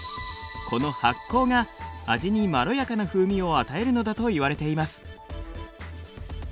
この発酵が味にまろやかな風味を与えるのだといわれています。